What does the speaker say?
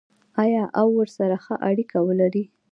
آیا او ورسره ښه اړیکه ولري؟